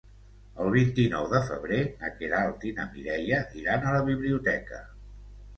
El vint-i-nou de febrer na Queralt i na Mireia iran a la biblioteca.